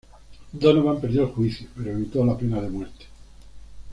Donovan perdió el juicio, pero evitó la pena de muerte.